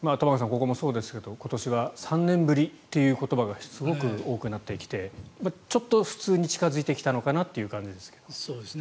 ここもそうですが今年は３年ぶりという言葉がすごく多くなってきてちょっと普通に近付いてきたのかなという感じですが。